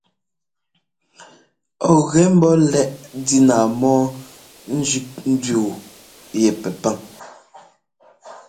Ɔ ŋgɛ ḿbɔ́ lɛ́ꞌ ndína mɔ́ɔ Ssɛ́ ńzẅík ndẅí yu ɛ pɛpaŋ.